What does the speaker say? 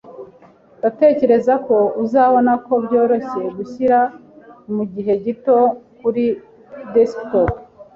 Ndatekereza ko uzabona ko byoroshye gushyira mugihe gito kuri desktop.